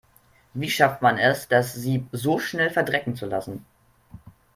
Wie schafft man es, das Sieb so schnell verdrecken zu lassen?